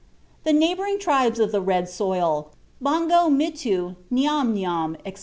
The neighboring tribes of the red soil Bongo, Mittoo, Niam Niam, etc.